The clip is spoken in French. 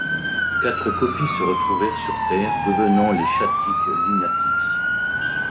Quatre copies se retrouvèrent sur Terre, devenant les chatiques Lunatiks.